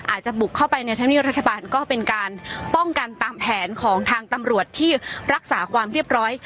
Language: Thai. อาจจะบุกเข้าไปในธรรมเนียบรัฐบาลก็เป็นการป้องกันตามแผนของทางตำรวจที่รักษาความเรียบร้อย